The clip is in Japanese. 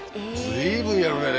随分やるね